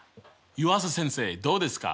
湯浅先生どうですか？